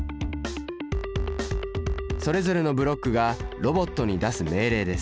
それぞれのブロックがロボットに出す命令です。